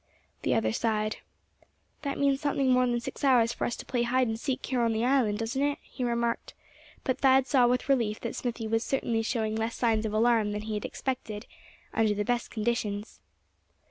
The other sighed. "That means something more than six hours for us to play hide and seek here on the island, doesn't it?" he remarked; but Thad saw with relief that Smithy was certainly showing less signs of alarm than he had expected, under the best conditions.